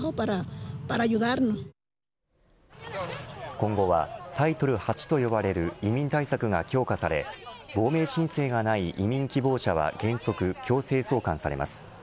今後はタイトル８と呼ばれる移民対策が強化され亡命申請がない移民希望者は原則強制送還されます。